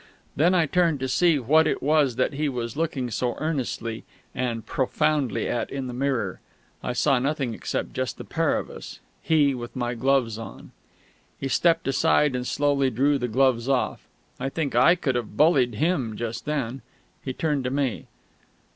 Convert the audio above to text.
Then I turned, to see what it was that he was looking so earnestly and profoundly at in the mirror. I saw nothing except just the pair of us, he with my gloves on. He stepped aside, and slowly drew the gloves off. I think I could have bullied him just then. He turned to me.